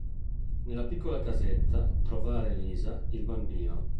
Nella piccola casetta; trovare Elisa, il bambino.